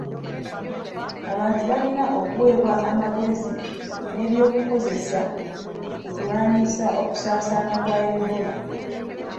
Abantu balina okuwebwa amagezi n'ebyokukozesa ku kulwanyisa okusaasaana kwa Ebola.